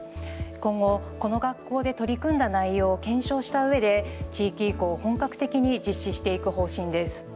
今後、この学校で取り組んだ内容を検証したうえで地域移行を本格的に実施していく方針です。